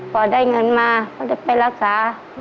พอได้เงินมาเขาจะไปรักษา